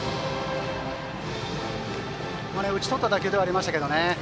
打ち取った打球でしたけどね。